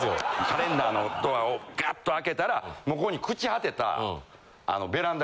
カレンダーのドアをガッと開けたらここに。